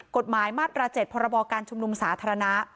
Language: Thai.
กฎหมายมาตรา๗พรบการชุมนุมสาธารณะ